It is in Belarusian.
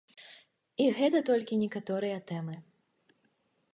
І гэта толькі некаторыя тэмы.